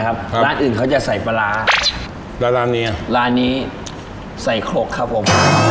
นะครับครับร้านอื่นเขาจะใส่ปลาร้าแล้วร้านนี้ร้านนี้ใส่ครกครับผม